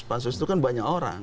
pansus itu kan banyak orang